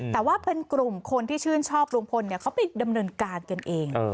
แต่ว่าเป็นกลุ่มคนที่ชื่นชอบลุงพลเขาไปดำเนินการกันเอง